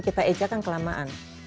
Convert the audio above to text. kita ejakan kelamaan